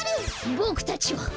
ボクたちは。